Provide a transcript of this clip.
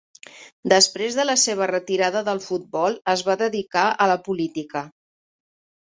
Després de la seva retirada del futbol, es va dedicar a la política.